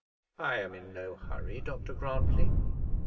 "I am in no hurry, Dr Grantly."